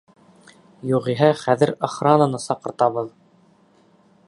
Юғиһә хәҙер охрананы саҡыртабыҙ!